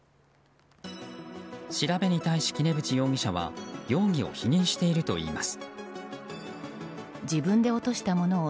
調べに対し、杵渕容疑者は容疑を否認しているといいます。